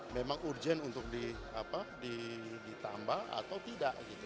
kemudian untuk ditambah atau tidak